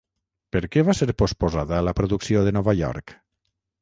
Per què va ser posposada la producció de Nova York?